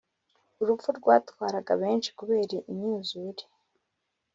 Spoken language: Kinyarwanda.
urupfu rwatwaraga benshi kubera imyuzure.